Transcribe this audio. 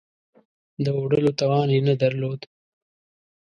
د وړلو توان یې نه درلود.